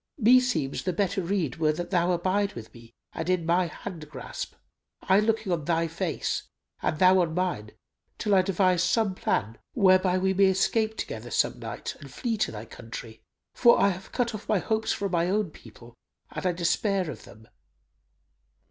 Meseems the better rede were that thou abide with me and in my hand grasp, I looking on thy face, and thou on mine, till I devise some plan, whereby we may escape together some night and flee to thy country; for I have cut off my hopes from my own people and I despair of them."